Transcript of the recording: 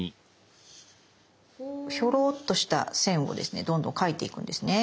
ヒョロッとした線をですねどんどん描いていくんですね。